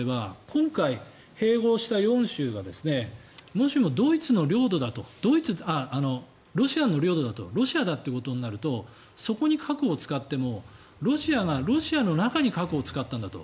今回、併合した４州がもしもロシアの領土だとロシアだってことになるとそこに核を使ってもロシアがロシアの中に核を使ったんだと。